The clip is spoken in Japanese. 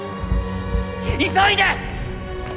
急いで！